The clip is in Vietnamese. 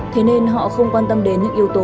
thế nên họ không quan tâm đến những yếu tố